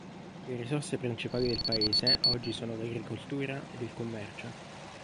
Le risorse principali del paese oggi sono l'agricoltura ed il commercio.